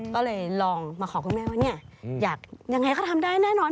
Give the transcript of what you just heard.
ก็เลยลองมาขอคุณแม่ว่าอย่างไรก็ทำได้แน่นอน